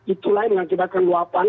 itulah yang mengakibatkan luapan